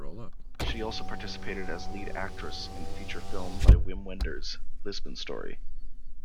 She also participated as lead actress in feature film by Wim Wenders, "Lisbon Story".